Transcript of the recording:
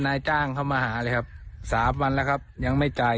นายจ้างเข้ามาหาเลยครับสามวันแล้วครับยังไม่จ่าย